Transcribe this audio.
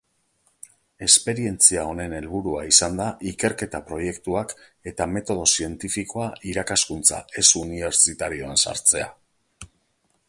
Esperientzia honen helburua izan da ikerketa proiektuak eta metodo zientifikoa irakaskuntza ez-unibertsitarioan sartzea.